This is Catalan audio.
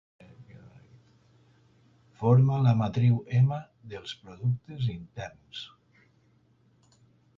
Forma la matriu "M" dels productes interns.